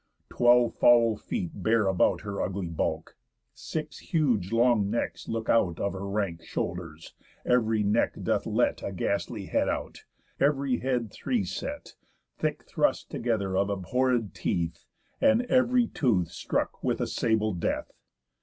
Twelve foul feet bear about Her ugly bulk. Six huge long necks look out Of her rank shoulders; ev'ry neck doth let A ghastly head out; ev'ry head three set, Thick thrust together, of abhorréd teeth, And ev'ry tooth stuck with a sable death.